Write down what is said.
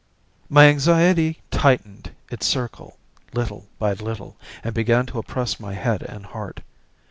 My anxiety tightened its circle little by little, and began to oppress my head and heart.